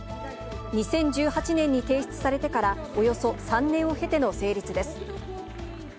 ２０１８年に提出されてから、およそ３年を経ての成立です。